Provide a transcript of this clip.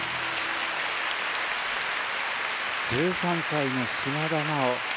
１３歳の島田麻央